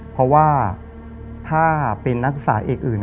เพราะว่าถ้าเป็นนักศึกษาเอกอื่น